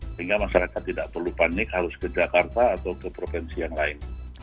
sehingga masyarakat tidak perlu panik harus ke jakarta atau ke provinsi yang lain